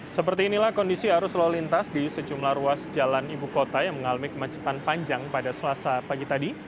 seperti inilah kondisi arus lalu lintas di sejumlah ruas jalan ibu kota yang mengalami kemacetan panjang pada selasa pagi tadi